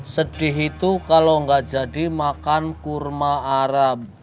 sedih itu kalau nggak jadi makan kurma arab